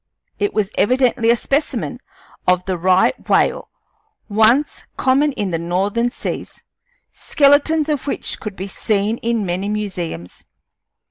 It was evidently a specimen of the right whale, once common in the Northern seas, skeletons of which could be seen in many museums.